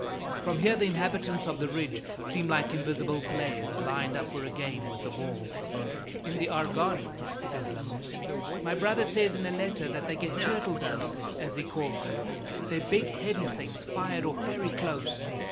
From here, the inhabitants of the ridge seem like invisible players, lined up for a game with a ball. "In the Argonne," says Lamuse, "my brother says in a letter that they get turtle doves, as he calls them. They're big heavy things, fired off very close.